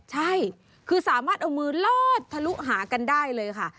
ใช่คือสามารถเอามือลอดทะลุหากันได้เลยค่ะ